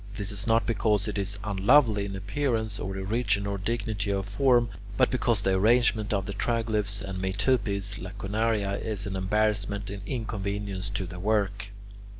This is not because it is unlovely in appearance or origin or dignity of form, but because the arrangement of the triglyphs and metopes (lacunaria) is an embarrassment and inconvenience to the work.